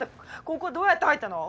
ここどうやって入ったの！？